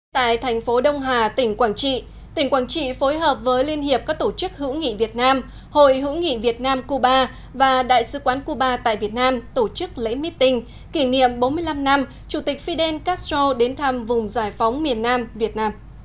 tại thành phố đông hà tỉnh quảng trị tỉnh quảng trị phối hợp với liên hiệp các tổ chức hữu nghị việt nam hội hữu nghị việt nam cuba và đại sứ quán cuba tại việt nam tổ chức lễ meeting kỷ niệm bốn mươi năm năm chủ tịch fidel castro đến thăm vùng giải phóng miền nam việt nam